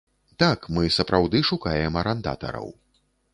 Так, мы сапраўды шукаем арандатараў.